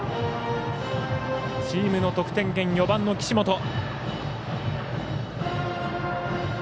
チームの得点源、４番の岸本。